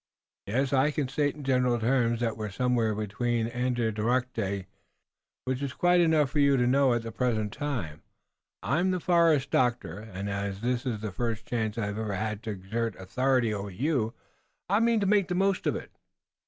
"Yes. I can state in general terms that we're somewhere between Andiatarocte and Oneadatote, which is quite enough for you to know at the present time. I'm the forest doctor, and as this is the first chance I've ever had to exert authority over you, I mean to make the most of it."